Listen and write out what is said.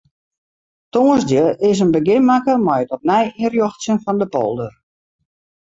Tongersdei is in begjin makke mei it opnij ynrjochtsjen fan de polder.